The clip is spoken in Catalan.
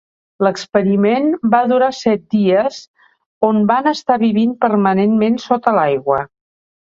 L'experiment va durar set dies, on van estar vivint permanentment sota l'aigua.